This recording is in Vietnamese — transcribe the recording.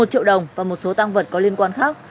một triệu đồng và một số tăng vật có liên quan khác